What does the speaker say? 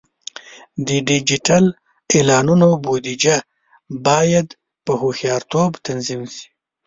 د ډیجیټل اعلانونو بودیجه باید په هوښیارتوب تنظیم شي.